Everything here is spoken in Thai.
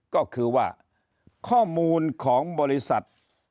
ก็คือว่าข้อมูลของบริษัท